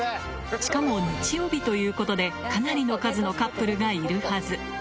しかも日曜日ということでかなりの数のカップルがいるはず